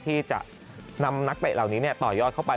ที่จะนำนักเตะเหล่านี้ต่อยอดเข้าไป